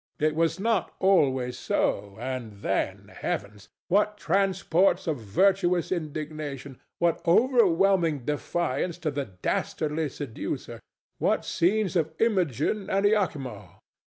It was not always so; and then, heavens! what transports of virtuous indignation! what overwhelming defiance to the dastardly seducer! what scenes of Imogen and Iachimo!